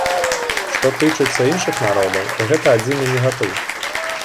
Што тычыцца іншых народаў, то гэта адзіны негатыў.